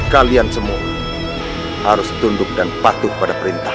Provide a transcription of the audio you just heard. kalian semua harus tunduk dan patuh pada perintah